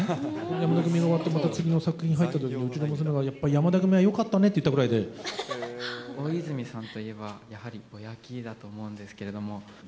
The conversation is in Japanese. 山田組が終わって、次の作品入ったときにうちの娘が、やっぱり、山田組はよかったねっ大泉さんといえば、やはりぼやきだと思うんですけれども。